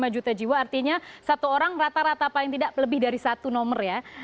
satu ratus tujuh puluh lima juta jiwa artinya satu orang rata rata paling tidak lebih dari satu nomor ya